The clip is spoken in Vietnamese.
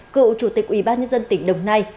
cựu chủ tịch ủy ban nhân dân tỉnh đồng nai